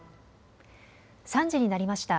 ３時になりました。